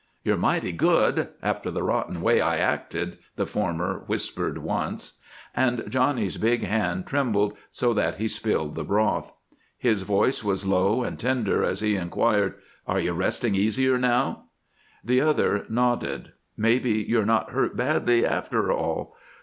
"You're mighty good after the rotten way I acted," the former whispered once. And Johnny's big hand trembled so that he spilled the broth. His voice was low and tender as he inquired, "Are you resting easier now?" The other nodded. "Maybe you're not hurt badly, after all.